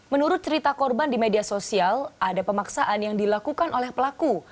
menurut cerita korban di media sosial ada pemaksaan yang dilakukan oleh pelaku